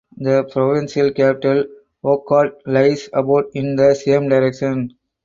The provincial capital Hohhot lies about in the same direction.